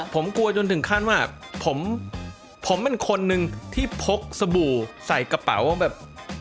ผมกลัวจนถึงขั้นว่าผมเป็นคนหนึ่งที่พกสบู่ใส่กระเป๋าแบบ